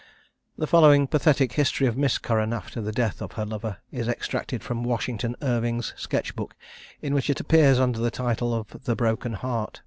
The following pathetic history of Miss Curran, after the death of her lover, is extracted from Washington Irving's "Sketch Book," in which it appears under the title of "The Broken Heart."